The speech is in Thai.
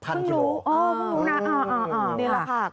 อ๋อคุณรู้นะนี่แหละค่ะ